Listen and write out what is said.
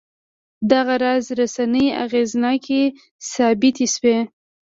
دغه راز رسنۍ اغېزناکې ثابتې شوې.